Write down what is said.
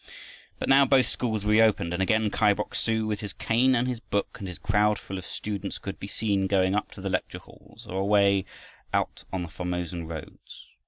But now both schools reopened, and again Kai Bok su with his cane and his book and his crowd of students could be seen going up to the lecture halls, or away out on the Formosan roads.